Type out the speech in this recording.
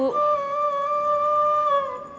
boleh ya bu